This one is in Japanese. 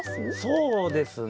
そうですね